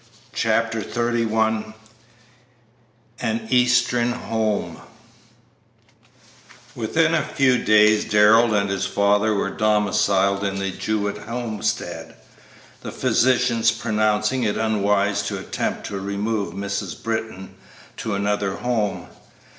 Chapter XXXI AN EASTERN HOME Within a few days Darrell and his father were domiciled in the Jewett homestead, the physicians pronouncing it unwise to attempt to remove Mrs. Britton to another home.